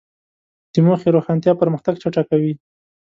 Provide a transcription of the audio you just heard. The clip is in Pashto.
د موخې روښانتیا پرمختګ چټکوي.